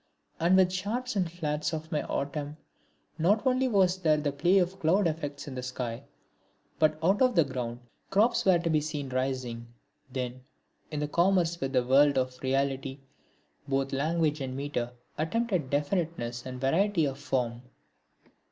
And with the Sharps and Flats of my Autumn, not only was there the play of cloud effects in the sky, but out of the ground crops were to be seen rising. Then, in the commerce with the world of reality, both language and metre attempted definiteness and variety of form.